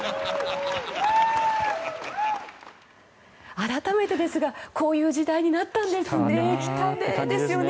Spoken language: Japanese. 改めてですがこういう時代になったんですね。